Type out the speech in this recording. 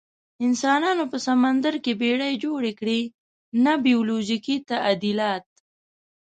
انسانانو په سمندر کې بیړۍ جوړې کړې، نه بیولوژیکي تعدیلات.